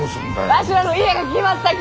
わしらの家が決まったき！